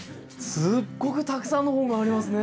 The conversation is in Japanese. すっごくたくさんの本がありますね。